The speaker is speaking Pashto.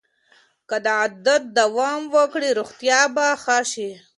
که دا عادت دوام وکړي روغتیا به ښه شي.